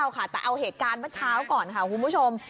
ค่ะแต่เอาเหตุการณ์เมื่อเช้าก่อนค่ะคุณผู้ชม